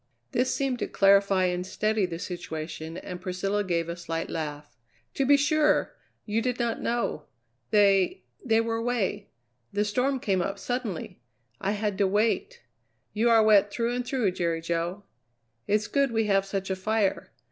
This seemed to clarify and steady the situation and Priscilla gave a slight laugh: "To be sure. You did not know. They they were away. The storm came up suddenly. I had to wait. You are wet through and through, Jerry Jo. It's good we have such a fire.